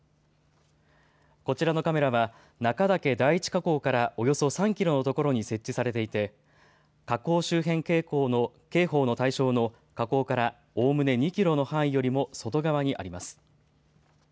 こちらのカメラは中岳第一火口からおよそ３キロのところに設置されていて火口周辺警報の対象の火口からおおむね２キロの範囲よりも外側にあります。